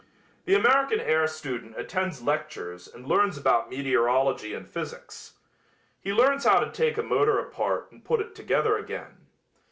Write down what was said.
The American air student attends lectures and learns about meteorology and physics. He learns how to take a motor apart and put it together again.